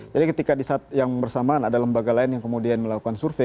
jadi ketika yang bersamaan ada lembaga lain yang kemudian melakukan survei